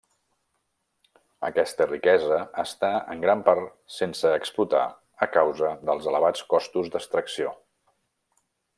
Aquesta riquesa està en gran part sense explotar a causa dels elevats costos d'extracció.